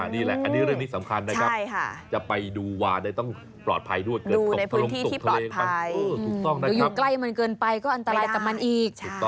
เดี๋ยวอยู่ใกล้มันเกินไปก็อันตรายกับมันอีก